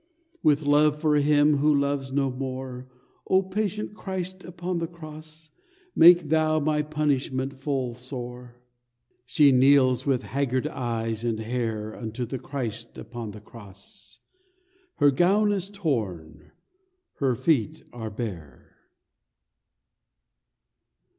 "With love for him who loves no more, O patient Christ upon the Cross, Make Thou my punishment full sore." She kneels with haggard eyes and hair Unto the Christ upon the Cross: Her gown is torn; her feet are bare.